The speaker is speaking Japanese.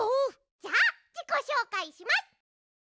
じゃあじこしょうかいします。